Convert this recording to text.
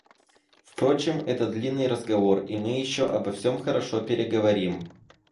Впрочем, это длинный разговор, и мы еще обо всем хорошо переговорим.